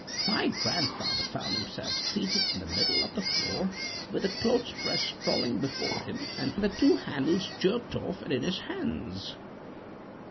My grandfather found himself seated in the middle of the floor, with the clothes press sprawling before him, and the two handles jerked off and in his hands."